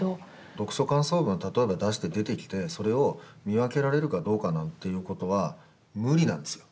読書感想文を例えば、出して、出てきてそれを見分けられるかどうかなんていうことは無理なんですよ。